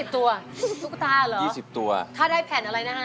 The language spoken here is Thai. ๒๐ตัวอ่ะทุกตาเหรอถ้าได้แผ่นอะไรน่ะครับ